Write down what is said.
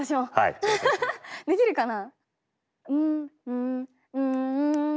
できるかな？